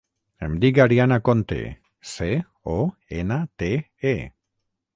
Em dic Ariana Conte: ce, o, ena, te, e.